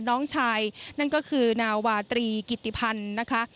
น้องชายนั่นก็คือนาวาตรีกิติพันธ์นะคะ